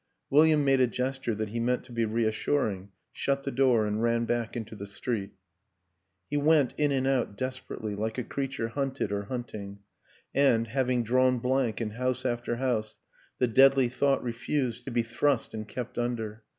William made a gesture that he meant to be reassuring, shut the door and ran back into the street. He went in and out desperately, like a creature hunted or hunting; and, having drawn blank in house after house, the deadly thought refused to be thrust and kept under.